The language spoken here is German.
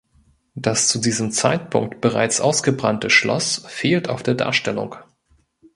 Das zu diesem Zeitpunkt bereits ausgebrannte Schloss fehlt auf der Darstellung.